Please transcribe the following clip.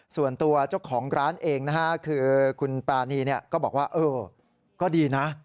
ส่วนตัวเจ้าของร้านเองนะฮะคือคุณปรานีก็บอกว่าเออก็ดีนะ